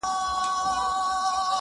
• يو بل هلک چوپ پاتې کيږي..